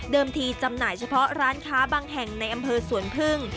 ทีจำหน่ายเฉพาะร้านค้าบางแห่งในอำเภอสวนพึ่ง